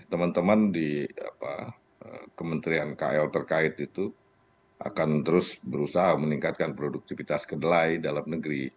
teman teman di kementerian kl terkait itu akan terus berusaha meningkatkan produktivitas kedelai dalam negeri